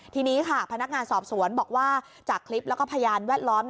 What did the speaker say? ทีนี้ค่ะพนักงานสอบสวนบอกว่าจากคลิปแล้วก็พยานแวดล้อม